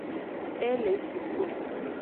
Ele ci kpo.